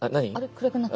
暗くなった。